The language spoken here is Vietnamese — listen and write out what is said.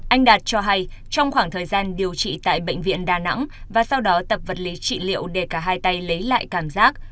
anh đạt cho hay trong khoảng thời gian điều trị tại bệnh viện đà nẵng và sau đó tập vật lý trị liệu để cả hai tay lấy lại cảm giác